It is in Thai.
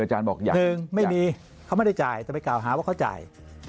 หนึ่งไม่มีเขาไม่ได้จ่ายแต่ไปกล่าวหาว่าเขาจ่าย